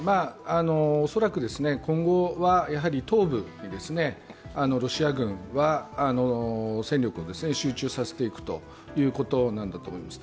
恐らく今後は東部にロシア軍は戦力を集中させていくということなんだと思います。